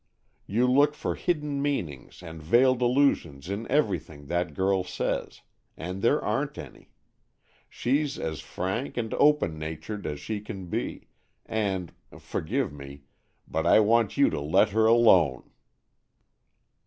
You look for hidden meanings and veiled allusions in everything that girl says, and there aren't any. She's as frank and open natured as she can be, and—forgive me—but I want you to let her alone."